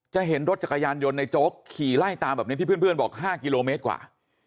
เห็นรถจักรยานยนต์ในโจ๊กขี่ไล่ตามแบบนี้ที่เพื่อนบอก๕กิโลเมตรกว่า